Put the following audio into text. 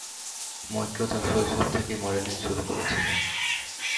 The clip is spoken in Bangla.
মৈত্র তার শৈশব থেকেই মডেলিং শুরু করেছিলেন।